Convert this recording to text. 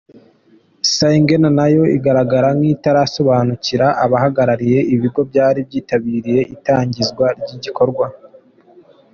Syngenta nayo igaragara nk’itarasobanukira abahagarariye ibigo byari byitabiriye itangizwa ry’igikorwa.